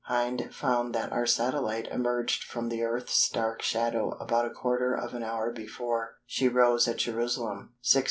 Hind found that our satellite emerged from the Earth's dark shadow about a quarter of an hour before she rose at Jerusalem (6h.